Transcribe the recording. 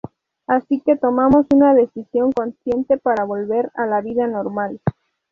Así que tomamos una decisión consciente para volver a la vida normal".